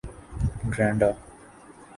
Grenada